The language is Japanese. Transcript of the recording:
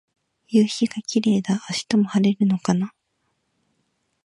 夕陽がキレイだ。明日も晴れるのかな。